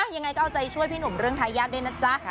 ยังไงก็เอาใจช่วยพี่หนุ่มเรื่องทายาทด้วยนะจ๊ะ